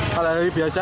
kalau hari biasa